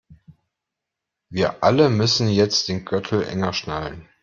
Wir alle müssen jetzt den Gürtel enger schnallen.